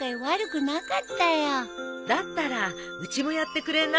だったらうちもやってくれない？